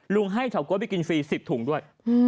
ให้เฉาก๊วยไปกินฟรี๑๐ถุงด้วย